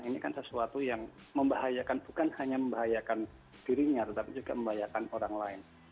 ini kan sesuatu yang membahayakan bukan hanya membahayakan dirinya tetapi juga membahayakan orang lain